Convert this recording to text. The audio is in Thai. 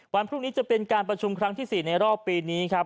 วันพรุ่งนี้จะเป็นการประชุมครั้งที่๔ในรอบปีนี้ครับ